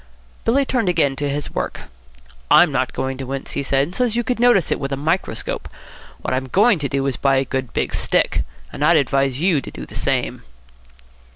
Billy turned again to his work. "I'm not going to wince," he said, "so's you could notice it with a microscope. What I'm going to do is to buy a good big stick. And I'd advise you to do the same."